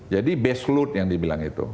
jadi base load yang dibilang itu